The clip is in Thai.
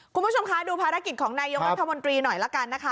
คุณผู้ชมคะดูภารกิจของนายกรัฐมนตรีหน่อยละกันนะคะ